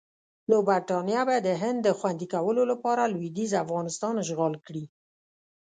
نو برټانیه به د هند د خوندي کولو لپاره لویدیځ افغانستان اشغال کړي.